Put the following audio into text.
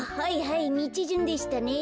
はいみちじゅんでしたね。